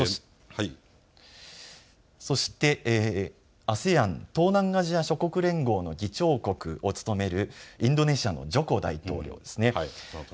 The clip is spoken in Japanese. そしてＡＳＥＡＮ・東南アジア諸国連合の議長国を務めるインドネシアのジョコ大統領です。